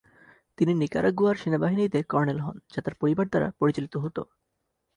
তিনি নিকারাগুয়ার সেনাবাহিনীতে কর্নেল হন, যা তার পরিবার দ্বারা পরিচালিত হতো।